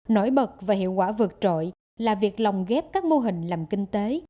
nổi bật và hiệu quả vượt trội là việc lồng ghép các mô hình làm kinh tế